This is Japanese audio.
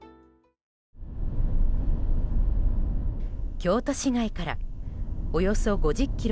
京都市街からおよそ５０ｋｍ